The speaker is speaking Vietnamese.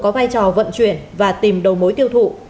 có vai trò vận chuyển và tìm đầu mối tiêu thụ